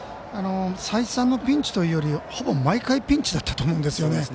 再三のピンチというよりほぼ、毎回ピンチだったと思うんですよね。